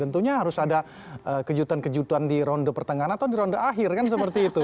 tentunya harus ada kejutan kejutan di ronde pertengahan atau di ronde akhir kan seperti itu